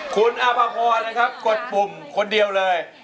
คุณอาภพรนะครับกดปุ่มคนเดียวเลย